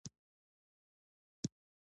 د وینې فشار ټیټولو لپاره هوږه وخورئ